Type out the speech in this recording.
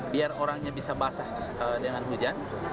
biar orangnya bisa basah dengan hujan